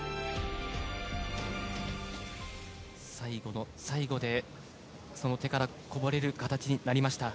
最後の最後でその手からこぼれる形になりました。